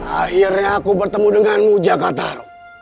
akhirnya aku bertemu denganmu jaga taruk